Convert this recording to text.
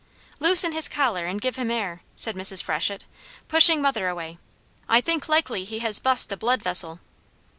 "Loosen his collar and give him air," said Mrs. Freshett pushing mother away. "I think likely he has bust a blood vessel."